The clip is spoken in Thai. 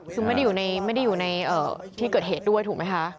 คือไม่ได้อยู่ในที่เกิดเหตุด้วยถูกไหมคะ